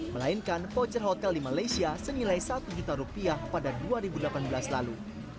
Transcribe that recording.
melainkan poucher hotel di malaysia senilai satu juta rupiah pada dua ribu delapan belas lalu